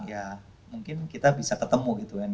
ya mungkin kita bisa ketemu gitu kan